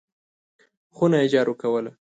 خونه یې جارو کوله !